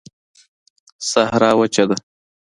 صحرا وچه ده